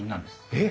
えっ！